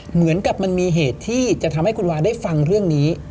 เหมือนกับมันมีเหตุที่จะทำให้คุณวาได้ฟังเรื่องนี้